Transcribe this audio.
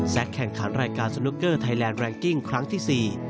และแข่งขันรายการสนุกเกอร์ไทยแลนด์แรงกิ้งครั้งที่๔